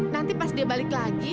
nanti pas dia balik lagi